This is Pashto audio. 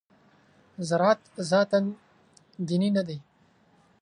زراعت ذاتاً دیني نه دی.